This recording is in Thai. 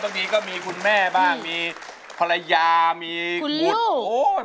บางทีก็มีคุณแม่บ้างมีภรรยามีคุณ